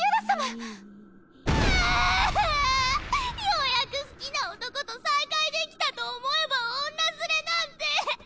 ようやく好きな男と再会できたと思えば女連れなんて。